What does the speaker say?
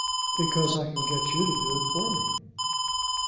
"Because I can get you to do it for me."